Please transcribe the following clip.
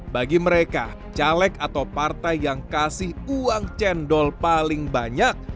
bagi mereka caleg atau partai yang kasih uang cendol paling banyak